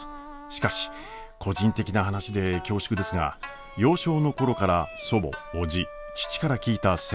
しかし個人的な話で恐縮ですが幼少の頃から祖母叔父父から聞いた戦後沖縄の実体験。